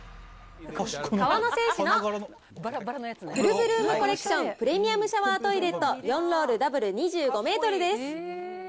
河野製紙のフルブルームコレクションプレミアムシャワートイレット４ロールダブル２５メートルです。